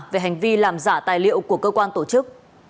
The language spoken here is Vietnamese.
về hành vi làm giả tài liệu của cơ quan tổ chức